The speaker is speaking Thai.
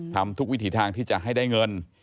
ทำทุกวิถีทางที่จะให้ได้เงิน